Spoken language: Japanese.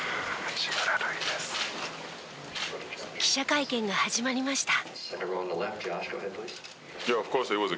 記者会見が始まりました。